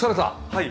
はい。